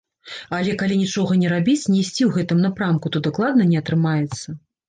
Але калі нічога не рабіць, не ісці ў гэтым напрамку, то дакладна не атрымаецца.